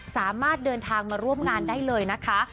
สามารถเดินทางมาร่วมงานได้เลยนะคะ